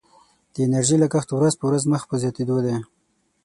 د انرژي لګښت ورځ په ورځ مخ په زیاتیدو دی.